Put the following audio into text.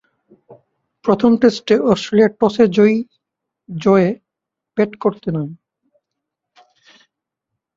প্রথম টেস্টে অস্ট্রেলিয়া টসে জয়ী জয়ে ব্যাট করতে নামে।